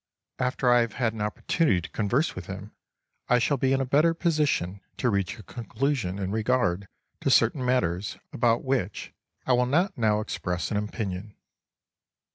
After I have had an opportunity to converse with him, I shall be in better position to reach a conclusion in regard to certain matters about which I will not now express an opinion.